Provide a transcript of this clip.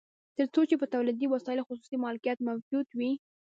تر څو چې په تولیدي وسایلو خصوصي مالکیت موجود وي